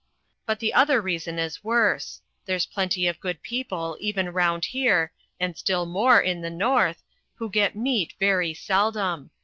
But the other reason is worse. There's plenty of good people even round here, and still more in the north, who get meat very seldom.